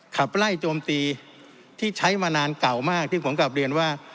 ขับไล่โจมตีที่ใช้มานานเก่ามากที่ผมกลับเรียนว่า